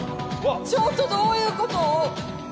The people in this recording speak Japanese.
ちょっとどういうこと？